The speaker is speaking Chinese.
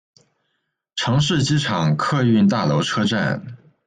城市机场客运大楼车站。